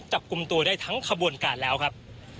จับกลุ่มตัวได้ทั้งขบวนการแล้วครับ